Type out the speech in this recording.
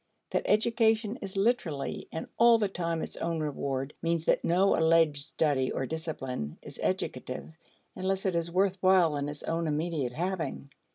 That education is literally and all the time its own reward means that no alleged study or discipline is educative unless it is worth while in its own immediate having.